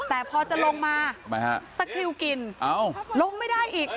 แต่พอจะลงมาตะคริวกินลงไม่ได้อีก